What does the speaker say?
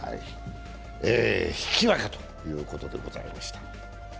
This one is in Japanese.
引き分けということでございました。